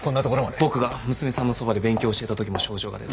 僕が娘さんのそばで勉強を教えたときも症状が出た。